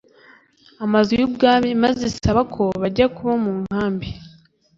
Amazu y Ubwami maze isaba ko bajya kuba mu nkambi